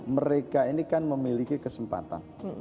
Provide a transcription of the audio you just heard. mereka ini kan memiliki kesempatan